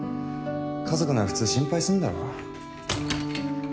家族なら普通心配すんだろ。